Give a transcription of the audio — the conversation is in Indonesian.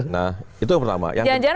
nah itu yang pertama jangan jangan